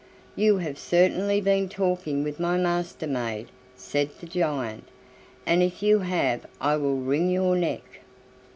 "You have certainly been talking with my Master maid!" said the giant, "and if you have I will wring your neck."